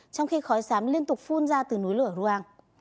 trong khi khói sám liên tục phun ra từ núi lửa ruang